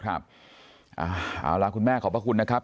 เอาล่ะคุณแม่ขอบพระคุณนะครับ